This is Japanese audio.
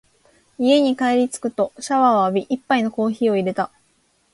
家に帰りつくとシャワーを浴び、一杯のコーヒーを淹れた。